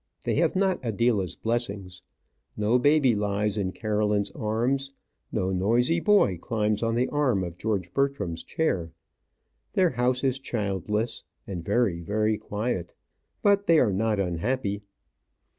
They have not Adela's blessings. No baby lies in Caroline's arms, no noisy boy climbs on the arm of George Bertram's chair. Their house is childless, and very, very quiet; but they are not unhappy.